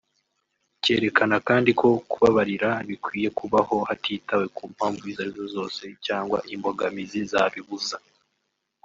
Cyerekana kandi ko kubabarira bikwiye kubaho hatitawe ku mpamvu izo ari zo zose cyangwa imbogamizi zabibuza